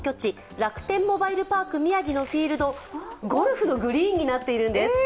楽天モバイルパーク宮城のフィールド、ゴルフのグリーンになっているんです。